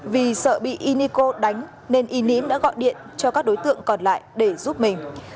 vì sợ bị yeniko đánh nên yenim đã gọi điện cho các đối tượng còn lại để giúp mình